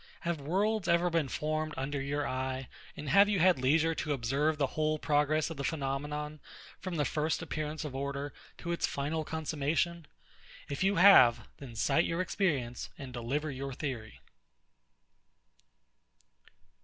Have worlds ever been formed under your eye; and have you had leisure to observe the whole progress of the phenomenon, from the first appearance of order to its final consummation? If you have, then cite your experience, and deliver your theory.